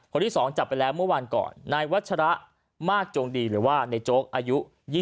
คนที่๒จับไปแล้วเมื่อวานก่อนนายวัชระมากจงดีหรือว่าในโจ๊กอายุ๒๐